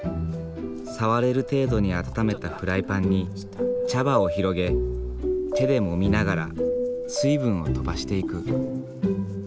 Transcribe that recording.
触れる程度に温めたフライパンに茶葉を広げ手でもみながら水分を飛ばしていく。